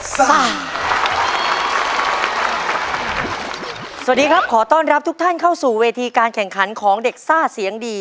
สวัสดีครับขอต้อนรับทุกท่านเข้าสู่เวทีการแข่งขันของเด็กซ่าเสียงดี